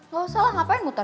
gak usah lah ngapain muter